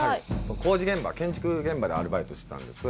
工事現場建築現場でアルバイトしてたんです。